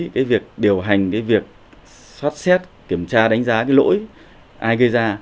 cái việc điều hành cái việc xoát xét kiểm tra đánh giá cái lỗi ai gây ra